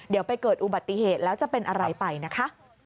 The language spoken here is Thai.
เดี๋ยวไปเกิดอุบัติเหตุแล้วจะเป็นอะไรไปนะคะ